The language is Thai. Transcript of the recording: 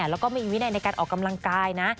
แล้วก็ไม่มีวินัยในการออกกำลังกายนะ